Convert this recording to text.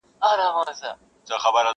ژړ سپى د چغال ورور دئ-